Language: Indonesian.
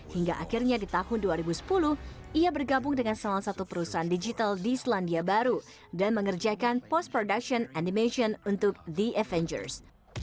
hingga akhirnya di tahun dua ribu sepuluh ia bergabung dengan salah satu perusahaan digital di selandia baru dan mengerjakan post production animation untuk the avengers